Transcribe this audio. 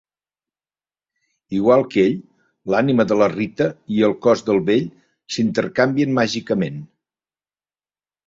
Igual que ell, l'ànima de la Rita i el cos del vell s'intercanvien màgicament.